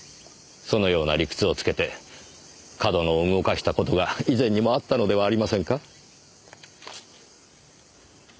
そのような理屈を付けて上遠野を動かした事が以前にもあったのではありませんか？